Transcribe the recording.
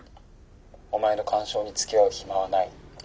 お前の感傷につきあう暇はない。